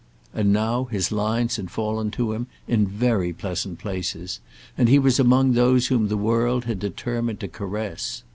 And now his lines had fallen to him in very pleasant places, and he was among those whom the world had determined to caress.